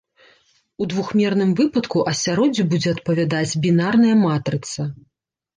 У двухмерным выпадку асяроддзю будзе адпавядаць бінарная матрыца.